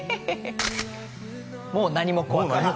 「もう何も恐くない」どう？